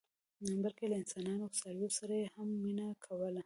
بلکې له انسانانو او څارویو سره یې هم مینه کوله.